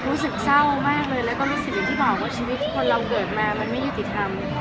รู้สึกเศร้ามากเลยแล้วก็รู้สึกอย่างที่บอกว่าชีวิตคนเราเกิดมามันไม่ยุติธรรม